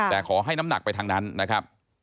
แต่ขอให้น้ำหนักไปทางนั้นนะครับ